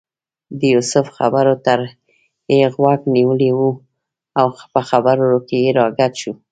د یوسف خبرو ته یې غوږ نیولی و او په خبرو کې راګډ شو.